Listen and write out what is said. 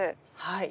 はい。